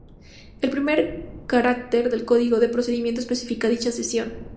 El primer carácter del código de procedimiento especifica dicha sección.